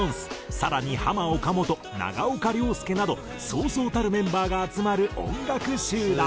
更にハマ・オカモト長岡亮介などそうそうたるメンバーが集まる音楽集団。